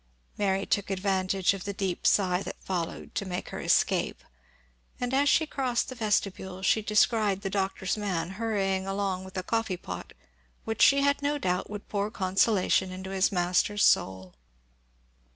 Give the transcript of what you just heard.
Mary took advantage of the deep sigh that followed to make her escape; and as she crossed the vestibule she descried the Doctor's man, hurrying along with a coffee pot, which she had no doubt would pour consolation into his master's soul.